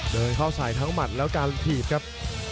เดินเข้าใส่ทั้งหมัดแล้วการถีบครับ